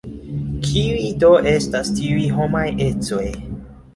Kiuj do estas tiuj homaj ecoj?